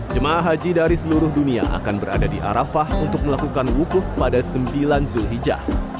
jemaah haji dari seluruh dunia akan berada di arafah untuk melakukan wukuf pada sembilan zulhijjah